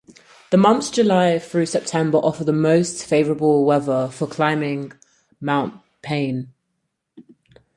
The months July through September offer the most favorable weather for climbing Mount Payne.